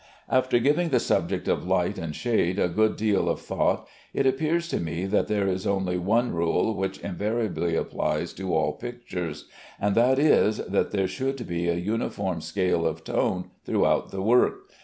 After giving the subject of light and shade a good deal of thought, it appears to me that there is only one rule which invariably applies to all pictures, and that is, that there should be a uniform scale of tone throughout the work.